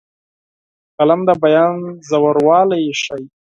قلم د بیان ژوروالی ښيي